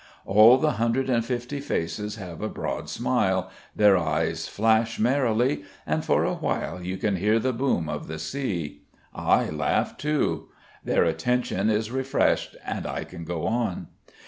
All the hundred and fifty faces have a broad smile, their eyes flash merrily, and for a while you can hear the boom of the sea. I laugh too. Their attention is refreshed and I can go on.